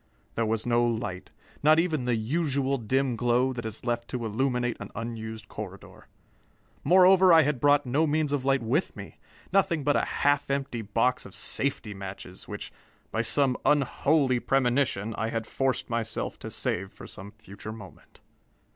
There was no light, not even the usual dim glow that is left to illuminate an unused corridor. Moreover, I had brought no means of light with me nothing but a half empty box of safety matches which, by some unholy premonition, I had forced myself to save for some future moment.